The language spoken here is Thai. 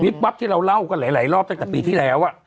วับที่เราเล่ากันหลายรอบตั้งแต่ปีที่แล้ว